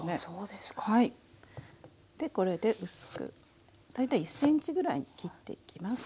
でこれで薄く大体１ｃｍぐらいに切っていきます。